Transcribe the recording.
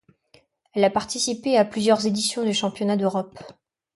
Elle a participé à plusieurs éditions du Championnat d'Europe.